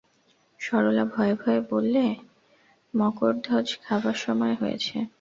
সরলা ভয়ে ভয়ে বললে, মকরধ্বজ খাবার সময় হয়েছে।